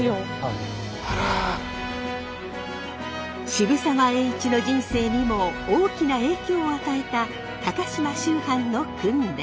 渋沢栄一の人生にも大きな影響を与えた高島秋帆の訓練。